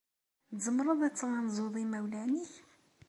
Tzemreḍ ad tɣanzuḍ imawlan-nnek?